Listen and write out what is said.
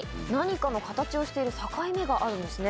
人の形している境目があるんですよ。